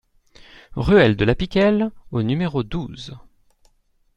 Ruelle de la Piquelle au numéro douze